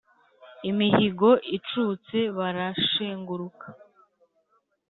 imihigo icutse barashenguruka.